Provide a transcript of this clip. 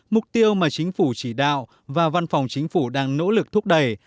mục tiêu mà chính phủ chỉ đạo và văn phòng chính phủ đang nỗ lực thúc đẩy